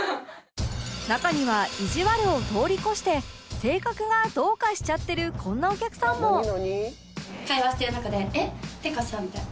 中にはいじわるを通り越して性格がどうかしちゃってるこんなお客さんもえっ？ってかさみたいな。